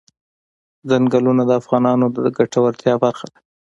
ځنګلونه د افغانانو د ګټورتیا برخه ده.